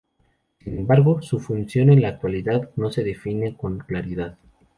Sin embargo, su función en la actualidad no se define con claridad.